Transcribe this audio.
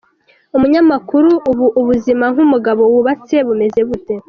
Umunyamakuru: Ubu ubuzima nk’umugabo wubatse bumeze bute?.